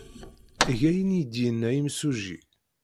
Eg ayen ay d-yenna yimsujji.